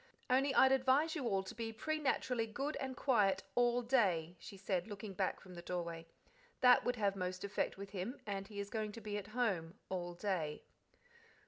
"Only I'd advise you all to be preternaturally good and quiet all day," she said, looking back from the doorway. "That would have most effect with him, and he is going to be at home all day."